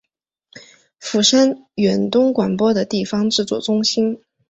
釜山远东广播的地方制作中心。